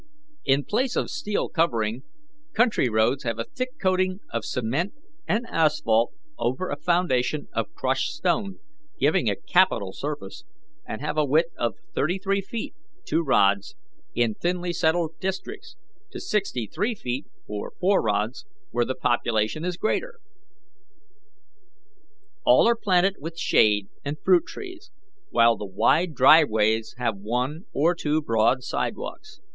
In place of steel covering, country roads have a thick coating of cement and asphalt over a foundation of crushed stone, giving a capital surface, and have a width of thirty three feet (two rods) in thinly settled districts, to sixty six feet (four rods) where the population is greater. All are planted with shade and fruit trees, while the wide driveways have one or two broad sidewalks.